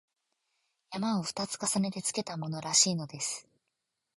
「山」を二つ重ねてつけたものらしいのです